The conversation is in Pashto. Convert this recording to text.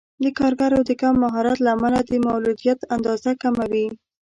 د کارګرو د کم مهارت له امله د مولدیت اندازه کمه وي.